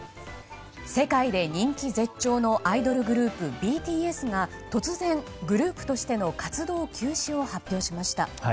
世界で人気絶頂のアイドルグループＢＴＳが突然、グループとしての活動休止を発表しました。